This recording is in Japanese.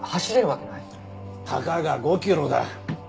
たかが５キロだ。